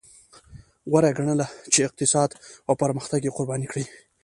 غوره یې ګڼله چې اقتصاد او پرمختګ یې قرباني کړي.